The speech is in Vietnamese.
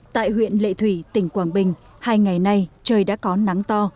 tại huyện lệ thủy tỉnh quảng bình hai ngày nay trời đã có nắng to